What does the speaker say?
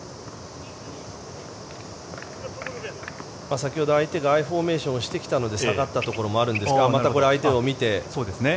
先ほど、相手がアイフォーメーションをしてきたので下がったところもあるんですがまたこれ、相手を見て。